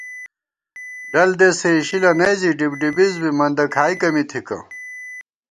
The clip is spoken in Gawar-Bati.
ڈل دېسے اِشِلہ نئ زی ڈِبڈِبِز بی مندہ کھائیکہ می تھِکہ